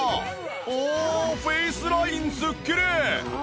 おおフェイスラインすっきり！